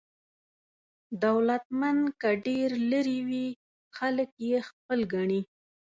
دولتمند که ډېر لرې وي خلک یې خپل ګڼي.